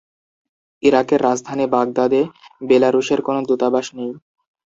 ইরাকের রাজধানী বাগদাদ-এ বেলারুশের কোন দূতাবাস নেই।